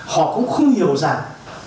họ cũng không hiểu rằng